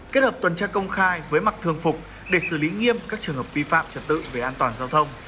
kết hợp tuần tra công khai với mặt thường phục để xử lý nghiêm các trường hợp vi phạm trật tự về an toàn giao thông